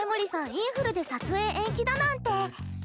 インフルで撮影延期だなんて。